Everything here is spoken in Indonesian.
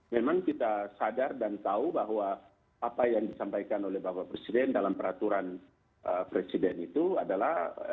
memang kita sadar dan tahu bahwa apa yang disampaikan oleh bapak presiden dalam peraturan presiden itu adalah